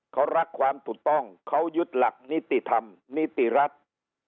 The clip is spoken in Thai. เขารักความถูกต้องเขายึดหลักนิติธรรมนิติรัฐ